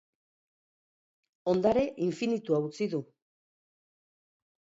Ondare infinitua utzi du.